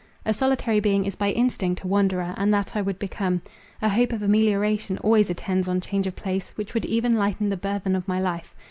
A solitary being is by instinct a wanderer, and that I would become. A hope of amelioration always attends on change of place, which would even lighten the burthen of my life.